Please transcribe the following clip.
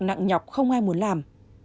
nặng nhọc không ai muốn làm